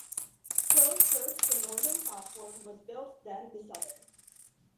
So first the northern platform was built then the southern.